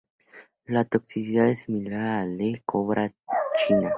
La toxicidad es similar al de la Cobra china.